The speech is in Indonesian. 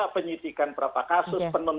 penyidikan berapa kasus